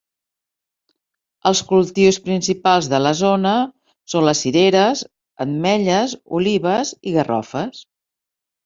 Els cultius principals de la zona són les cireres, ametlles, olives i garrofes.